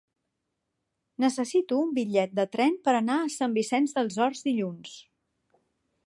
Necessito un bitllet de tren per anar a Sant Vicenç dels Horts dilluns.